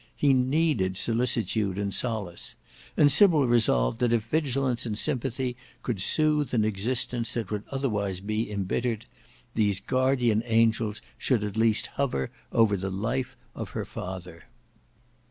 He needed solicitude and solace: and Sybil resolved that if vigilance and sympathy could soothe an existence that would otherwise be embittered, these guardian angels should at least hover over the life of her father.